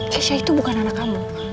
cesha itu bukan anak kamu